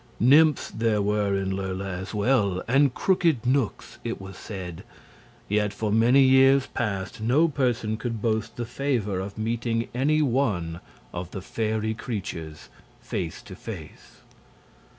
Nymphs there were in Lurla, as well, and crooked knooks, it was said; yet for many years past no person could boast the favor of meeting any one of the fairy creatures face to face.